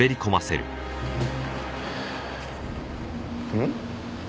うん？